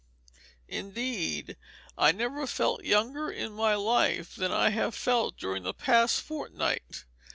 Indeed, I never felt younger in my life than I have felt during the past fortnight.